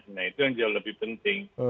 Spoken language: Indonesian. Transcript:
nah itu yang jauh lebih penting